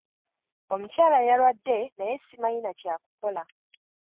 Omukyala yalwadde naye simanyi na kyakukola.